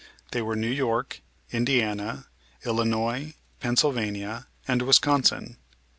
They were New York, Indiana, Illinois, Pennsylvania, and Wisconsin.